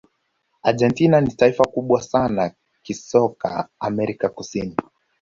argentina ni taifa kubwa sana kisoka amerika kusini